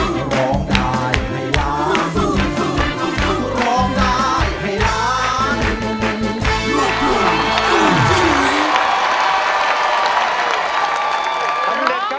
เพลงที่๑มูลค่า๑๐๐๐๐บาทคุณปูร้อง